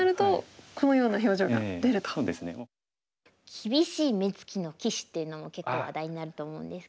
きびしい目つきの棋士っていうのも結構話題になると思うんですけど。